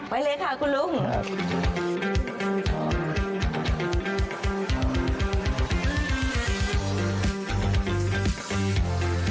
ไปเลยค่ะคุณลุงค่ะสวัสดีค่ะสวัสดีค่ะ